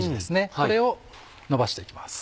これをのばして行きます。